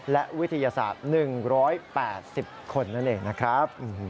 และวิทยาศาสตร์๑๘๐คนนั่นเองนะครับ